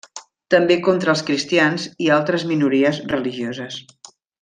També contra els cristians i altres minories religioses.